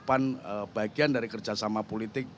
dan bagian dari kerjasama politik